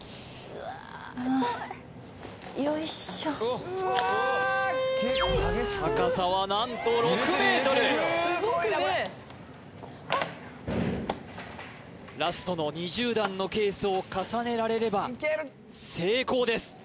あよいしょ高さは何と６ｍラストの２０段のケースを重ねられれば成功です